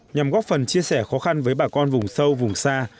nhằm góp phần chia sẻ khó khăn với bà con vùng sâu vùng xa